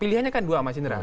pilihannya kan dua mas indra